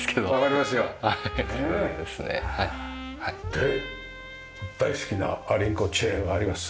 で大好きなアリンコチェアがあります。